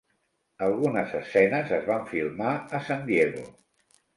Algunes escenes es van filmar a San Diego.